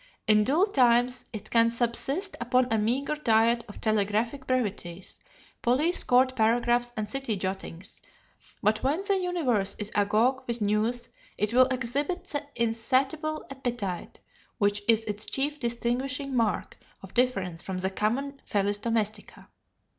In dull times it can subsist upon a meagre diet of telegraphic brevities, police court paragraphs, and city jottings; but when the universe is agog with news, it will exhibit the insatiable appetite which is its chief distinguishing mark of difference from the common felis domestica.